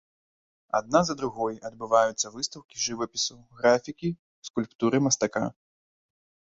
Адна за другой адбываюцца выстаўкі жывапісу, графікі, скульптуры мастака.